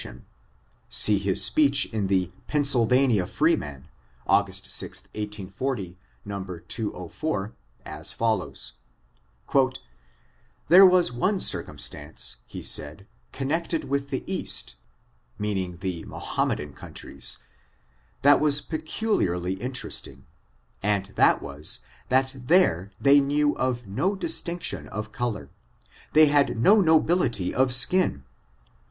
269 tion; see Iiis speech in the '^ Pennsylvania Freeman," August 6, 1840, No. 204, as follows: "There was one circumstance (he said) connected with the East (meaning the Mohammedan countries), that was pe culiarly interesting, and that was, that there they knew of no distinction of color; they had no nobili ty oiskin.